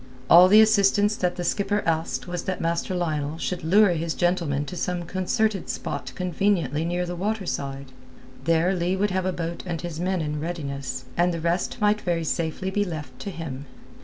All the assistance that the skipper asked was that Master Lionel should lure his gentleman to some concerted spot conveniently near the waterside. There Leigh would have a boat and his men in readiness, and the rest might very safely be left to him.